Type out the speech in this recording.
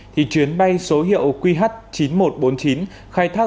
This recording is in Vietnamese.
thì chuyến bay số hiệu qh chín nghìn một trăm bốn mươi chín